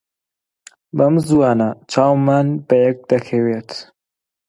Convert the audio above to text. بەم زووانە چاومان بەیەک دەکەوێت.